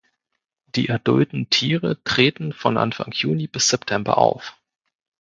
Die adulten Tiere treten von Anfang Juni bis September auf.